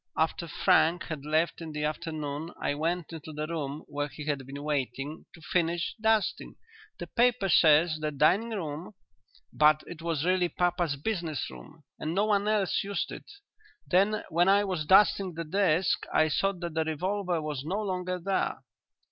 After Frank had left in the afternoon I went into the room where he had been waiting, to finish dusting. The paper says the dining room, but it was really papa's business room and no one else used it. Then when I was dusting the desk I saw that the revolver was no longer there."